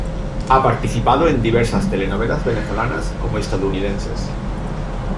Ha participado en diversas telenovelas venezolanas como estadounidenses.